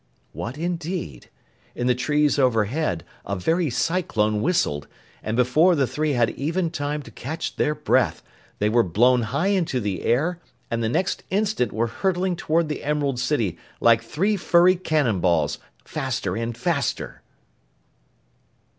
What indeed? In the trees overhead, a very cyclone whistled, and before the three had even time to catch their breath, they were blown high into the air and the next instant were hurtling toward the Emerald City like three furry cannonballs, faster and faster.